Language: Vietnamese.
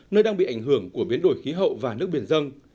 nơi đang bị ảnh hưởng của biến đổi khí hậu và nước biển dân